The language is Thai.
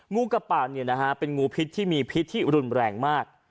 งูกับปะเนี่ยนะฮะเป็นงูพิษที่มีพิษที่รุนแรงมาก